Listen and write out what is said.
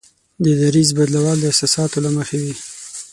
د دریځ بدلول د احساساتو له مخې وي.